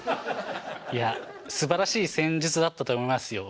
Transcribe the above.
いやすばらしい戦術だったと思いますよ。